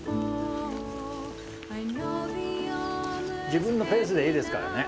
自分のペースでいいですからね。